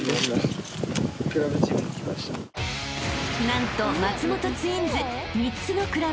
［何と松本ツインズ］